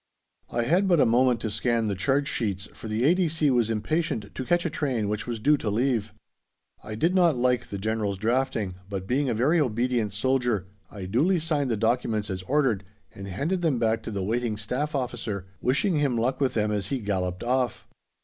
I had but a moment to scan the charge sheets, for the A.D.C. was impatient to catch a train which was due to leave. I did not like the General's drafting, but, being a very obedient soldier, I duly signed the documents as ordered and handed them back to the waiting Staff officer, wishing him luck with them as he galloped off.